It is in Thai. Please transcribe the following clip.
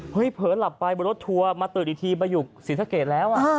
เฮ้ยเผินหลับไปบนรถทัวร์มาตื่นอีกทีมาอยู่สิรรภเกตแล้ว